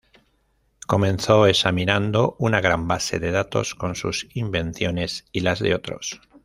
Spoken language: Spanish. Comenzó examinando una gran base de datos con sus invenciones y las de otros.